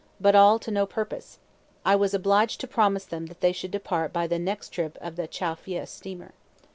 But all to no purpose; I was obliged to promise them that they should depart by the next trip of the Chow Phya steamer.